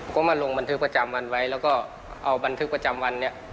ก็มาลงบันทึกประจำวันไว้แล้วก็เอาบันทึกประจำวันเนี่ย